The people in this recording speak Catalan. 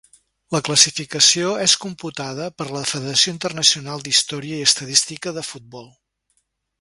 La classificació és computada per la Federació Internacional d'Història i Estadística de Futbol.